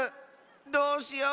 どうしよう！